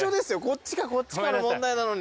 こっちかこっちかの問題なのに。